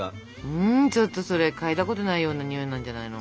うんちょっとそれ嗅いだことないようなにおいなんじゃないの？